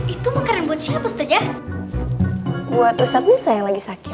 itu makanan buat siapa buat ustadz usa yang lagi sakit